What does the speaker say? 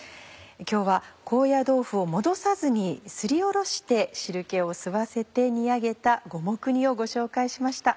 今日は高野豆腐をもどさずにすりおろして汁気を吸わせて煮上げた五目煮をご紹介しました。